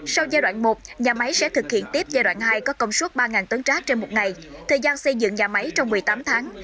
sau giai đoạn một nhà máy sẽ thực hiện tiếp giai đoạn hai có công suất ba tấn rác trên một ngày thời gian xây dựng nhà máy trong một mươi tám tháng